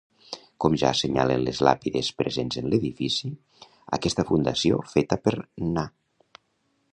Com ja assenyalen les làpides presents en l'edifici, aquesta fundació feta per Na.